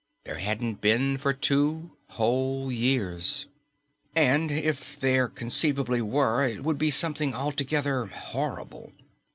There hadn't been for two whole years. And if there conceivably were, it would be something altogether horrible.